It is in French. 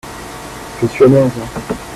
Je suis (américain).